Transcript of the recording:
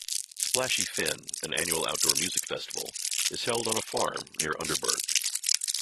Splashy Fen, an annual outdoor music festival, is held on a farm near Underberg.